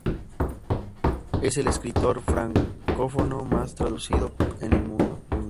Es el escritor francófono más traducido en el mundo.